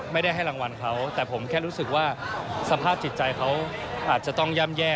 ไม่ได้ให้รางวัลเขาแต่ผมแค่รู้สึกว่าสภาพจิตใจเขาอาจจะต้องย่ำแย่